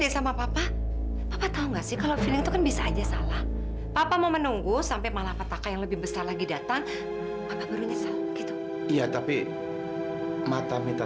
sampai jumpa di video selanjutnya